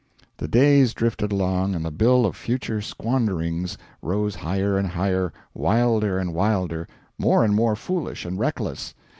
The days drifted along, and the bill of future squanderings rose higher and higher, wilder and wilder, more and more foolish and reckless.